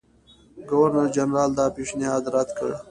ګورنرجنرال دا پېشنهاد رد کړ.